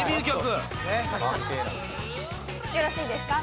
よろしいですか？